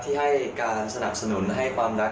ที่ให้การสนับสนุนให้ความรัก